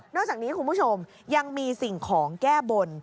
อกจากนี้คุณผู้ชมยังมีสิ่งของแก้บน